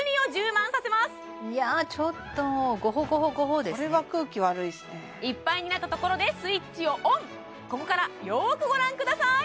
これは空気悪いですねいっぱいになったところでスイッチをオンここからよーくご覧ください